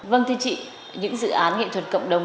vâng thưa chị những dự án nghệ thuật cộng đồng